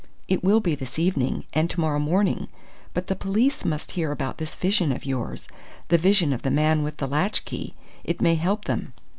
"It will be this evening and to morrow morning! But the police must hear about this vision of yours, the vision of the man with the latchkey. It may help them."